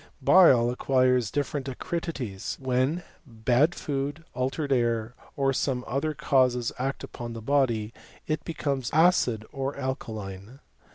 Bile acquires different acridities, when bad food, altered air, or other similar causes act apon the body, i It becomes acid or alkaline.